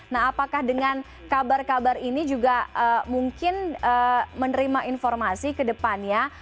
nah apakah dengan kabar kabar ini juga mungkin menerima informasi ke depannya